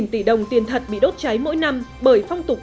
một tỷ đồng tiền thật bị đốt cháy mỗi năm bởi phong tục